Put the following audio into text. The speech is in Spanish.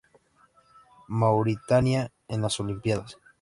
Mauritania en las Olimpíadas